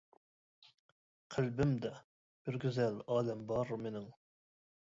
قەلبىمدە بىر گۈزەل ئالەم بار مېنىڭ.